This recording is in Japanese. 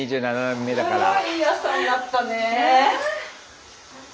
２７年目だから。